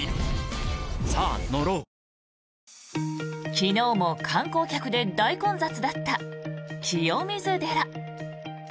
昨日も観光客で大混雑だった清水寺。